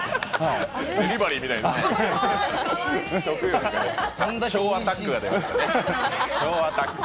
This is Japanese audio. デリバリーみたいになってて。